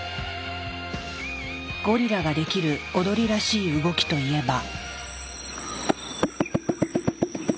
ゴリラができる踊りらしい動きといえば。